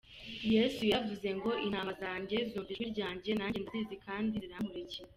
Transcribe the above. Yesu yaravuze ngo “intama zanjye zumva ijwi ryanjye, nanjye ndazizi kandi zirankurikira.